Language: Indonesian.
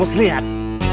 bos gak usah takut